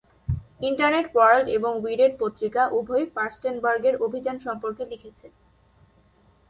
"Internet World" এবং "Wired" পত্রিকা উভয়ই ফার্স্টেনবার্গের অভিযান সম্পর্কে লিখেছে।